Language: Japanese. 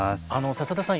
笹田さん